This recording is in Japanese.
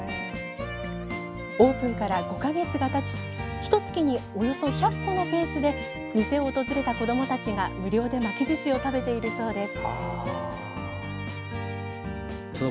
オープンから５か月がたちひと月におよそ１００個のペースで店を訪れた子どもたちが無料で巻きずしを食べているそうです。